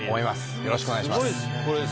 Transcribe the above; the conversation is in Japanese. よろしくお願いします。